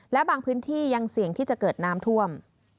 และบางพื้นที่ยังเสี่ยงที่จะเกิดน้ำท่วม